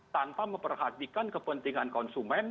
tanpa memperhatikan kepentingan konsumen